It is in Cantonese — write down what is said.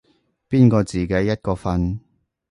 邊個自己一個瞓